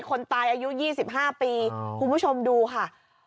คนตายอายุ๒๕ปีคุณผู้ชมดูค่ะ